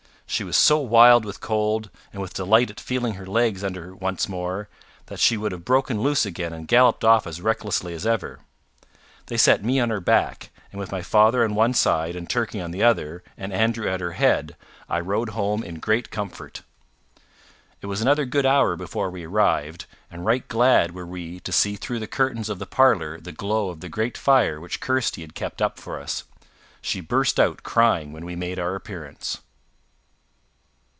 She was so wild with cold, and with delight at feeling her legs under her once more, that she would have broken loose again, and galloped off as recklessly as ever. They set me on her back, and with my father on one side and Turkey on the other, and Andrew at her head, I rode home in great comfort. It was another good hour before we arrived, and right glad were we to see through the curtains of the parlour the glow of the great fire which Kirsty had kept up for us. She burst out crying when we made our appearance.